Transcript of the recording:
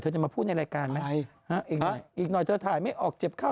เธอยามาพูดในรายการไหมเห็นไหมอีกหน่อยจะถ่ายไม่ออกเจ็บข้าว